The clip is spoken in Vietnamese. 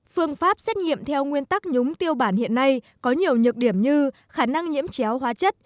phương pháp xét nghiệm theo nguyên tắc nhúng tiêu bản hiện nay có nhiều nhược điểm như khả năng nhiễm chéo hóa chất